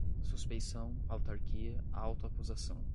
suspeição, autarquia, auto-acusação